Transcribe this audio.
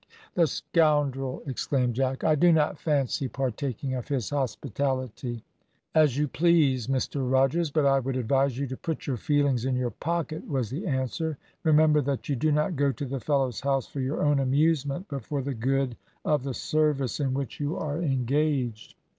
"The scoundrel!" exclaimed Jack. "I do not fancy partaking of his hospitality." "As you please, Mr Rogers; but I would advise you to put your feelings in your pocket," was the answer. "Remember that you do not go to the fellow's house for your own amusement, but for the good of the service in which you are engaged."